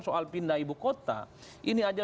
soal pindah ibu kota ini aja